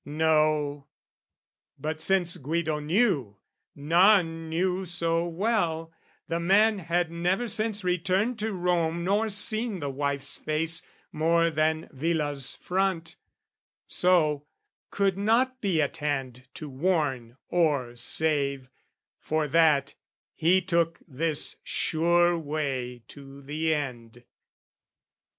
No: but since Guido knew, none knew so well, The man had never since returned to Rome Nor seen the wife's face more than villa's front, So, could not be at hand to warn or save, For that, he took this sure way to the end.